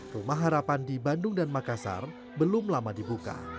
rumah harapan di bandung dan makassar belum lama dibuka